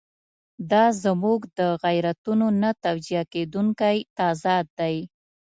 دا زموږ د غیرتونو نه توجیه کېدونکی تضاد دی.